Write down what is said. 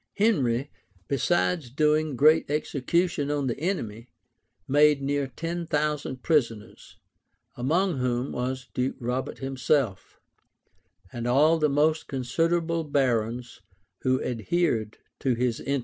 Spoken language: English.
Henry, besides doing great execution on the enemy, made near ten thousand prisoners; among whom was Duke Robert himself, and all the most considerable barons, who adhered to his interests.